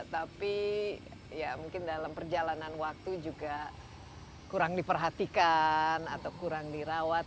tapi ya mungkin dalam perjalanan waktu juga kurang diperhatikan atau kurang dirawat